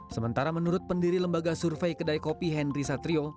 sementara menurut pendiri lembaga survei kedai kopi henry satrio